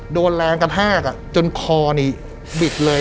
โดนแรงกระทากอ่ะจนคอนี้บิดเลยอ่ะ